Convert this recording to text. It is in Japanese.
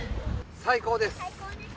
最高です！